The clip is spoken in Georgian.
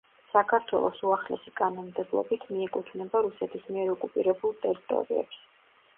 საქართველოს უახლესი კანონმდებლობით მიეკუთვნება „რუსეთის მიერ ოკუპირებულ ტერიტორიებს“.